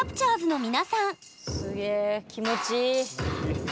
すげえ気持ちいい。